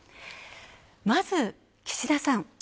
まず、岸田さん。